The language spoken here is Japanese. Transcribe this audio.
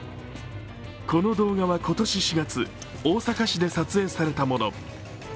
この動画は今年４月、大阪市で撮影されたもの。